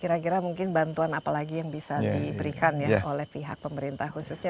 kira kira mungkin bantuan apalagi yang bisa diberikan oleh pihak pemerintah khususnya